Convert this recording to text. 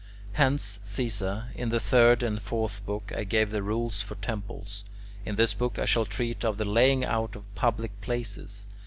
Hence, Caesar, in the third and fourth books I gave the rules for temples; in this book I shall treat of the laying out of public places.